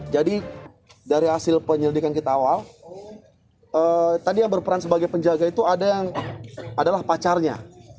jadi dari hasil penyelidikan kita awal tadi yang berperan sebagai penjaga itu adalah pacarnya